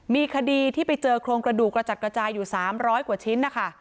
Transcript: มีคดีที่ไปเจอโครงกระดูกกระจัดกระจายอยู่๓๐๐กว่าชิ้นนะคะ